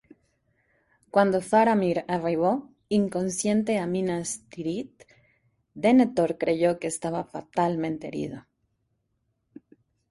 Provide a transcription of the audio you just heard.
Cuando Faramir arribó inconsciente a Minas Tirith, Denethor creyó que estaba fatalmente herido.